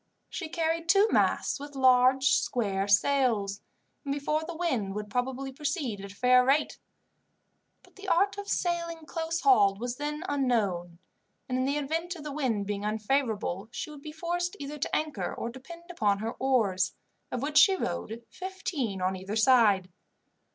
She carried two masts with large square sails, and before the wind would probably proceed at a fair rate; but the art of sailing close hauled was then unknown, and in the event of the wind being unfavourable she would be forced either to anchor or to depend upon her oars, of which she rowed fifteen on either side.